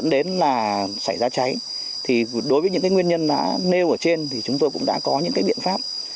đối với những nguyên nhân nêu ở trên chúng tôi cũng đã có những biện pháp